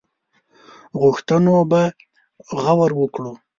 غوښتنو به غور وکړي.